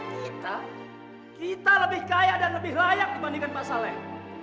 kita kita lebih kaya dan lebih layak dibandingkan masalah lain